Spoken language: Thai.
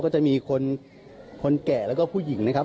ก็จะมีคนแก่แล้วก็ผู้หญิงนะครับ